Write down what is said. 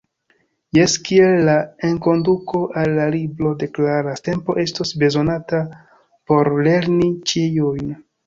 Jes, kiel la enkonduko al la libro deklaras: “Tempo estos bezonata por lerni ĉiujn”.